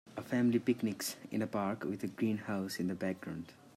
A family picnics in a park with a greenhouse in the background.